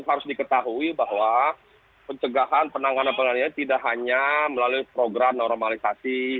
harus diketahui bahwa pencegahan penanganan penanganan tidak hanya melalui program normalisasi